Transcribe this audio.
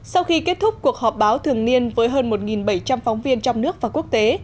sau khi kết thúc cuộc họp báo thường niên với hơn một bảy trăm linh phóng viên trong nước và quốc tế